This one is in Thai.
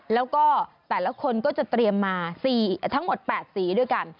แล้วก็แต่ละคนก็จะเตรียมมาทั้งหมด๘สีด้วยกัน